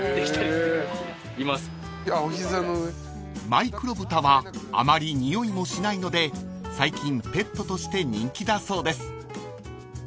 ［マイクロ豚はあまりにおいもしないので最近ペットとして人気だそうです］